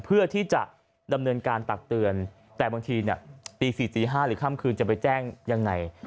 เพื่อที่จะดำเนินการตักเตือนแต่บางทีตี๔ตี๕หรือค่ำคืนจะไปแจ้งยังไง